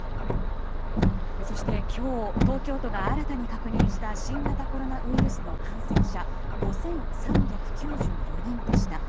そして今日東京都が新たに確認した新型コロナウイルスの感染者５３９４人でした。